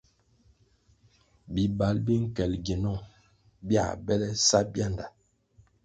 Bibang bi nkel gienung bia bele sa bianda.